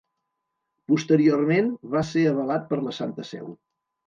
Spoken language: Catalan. Posteriorment va ser avalat per la Santa Seu.